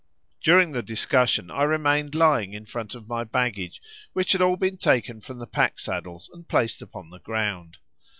During the discussion I remained lying in front of my baggage, which had all been taken from the pack saddles and placed upon the ground.